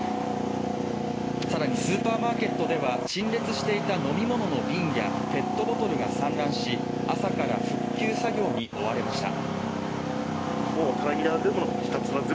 更にスーパーマーケットでは陳列していた飲み物の便やペットボトルが散乱し、朝から復旧作業に追われました。